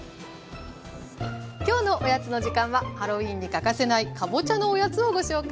今日の「おやつのじかん」はハロウィーンに欠かせないかぼちゃのおやつをご紹介します。